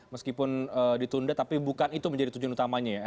meskipun ditunda tapi bukan itu menjadi tujuan utamanya ya